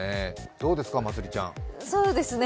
どうですか、まつりちゃん。